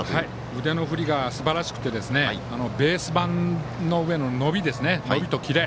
腕の振りがすばらしくてベース板の上の伸びとキレ。